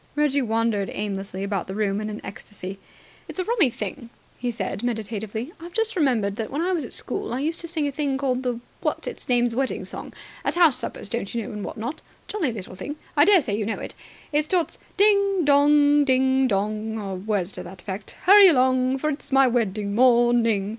Reggie wandered aimlessly about the room in an ecstasy. "It's a rummy thing," he said meditatively, "I've just remembered that, when I was at school, I used to sing a thing called the what's it's name's wedding song. At house suppers, don't you know, and what not. Jolly little thing. I daresay you know it. It starts 'Ding dong! Ding dong!' or words to that effect, 'Hurry along! For it is my wedding morning!'